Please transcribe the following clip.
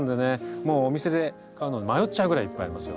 もうお店で買うのを迷っちゃうぐらいいっぱいありますよ。